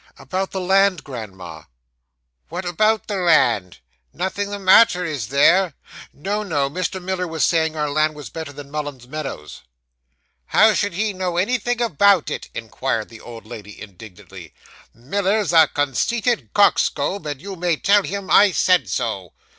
'About the land, grandma.' 'What about the land? Nothing the matter, is there?' 'No, no. Mr. Miller was saying our land was better than Mullins's Meadows.' 'How should he know anything about it?' inquired the old lady indignantly. 'Miller's a conceited coxcomb, and you may tell him I said so.